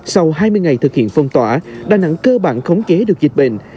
sau hai mươi ngày thực hiện phong tỏa đà nẵng cơ bản khống chế được dịch bệnh